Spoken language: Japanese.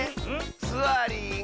スワリンが。